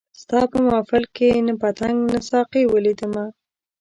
ستا په محفل کي نه پتنګ نه ساقي ولیدمه